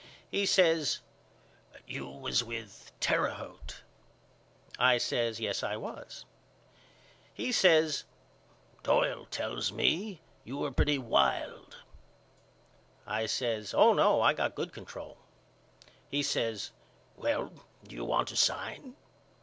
He says You was with Terre Haute? I says Yes I was. He says Doyle tells me you were pretty wild. I says Oh no I got good control. He says well do you want to sign?